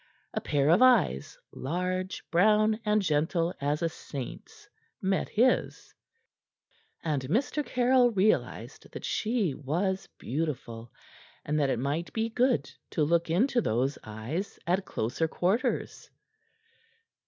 A pair of eyes, large, brown, and gentle as a saint's, met his, and Mr. Caryll realized that she was beautiful and that it might be good to look into those eyes at closer quarters.